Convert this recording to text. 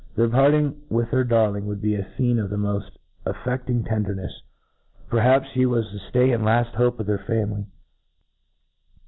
Their parting with their darling would be a fcene of the moft affefting tendemefs ;— ^perhaps he was the ftay and laft hope of their family.